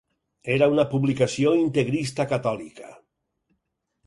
Era una publicació integrista catòlica.